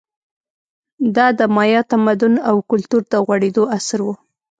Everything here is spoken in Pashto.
دا د مایا تمدن او کلتور د غوړېدو عصر و